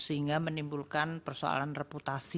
sehingga menimbulkan persoalan reputasi